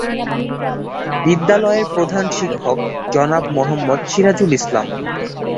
বিদ্যালয়ের প্রধান শিক্ষক জনাব মোহাম্মদ সিরাজুল ইসলাম।